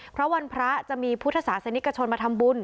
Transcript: เพราะวันพระจะมีพุทธศาสนิกชนมาทำบุญ